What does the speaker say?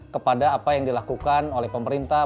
kepada apa yang dilakukan oleh pemerintah